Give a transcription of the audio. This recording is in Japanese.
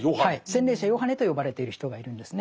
洗礼者ヨハネと呼ばれている人がいるんですね。